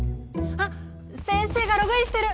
あっ先生がログインしてる！